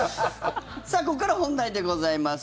ここから本題でございます。